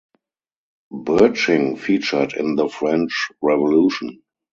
Birching featured in the French Revolution.